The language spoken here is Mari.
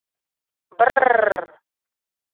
Бр-р-р!..